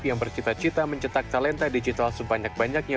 yang bercita cita mencetak talenta digital sebanyak banyaknya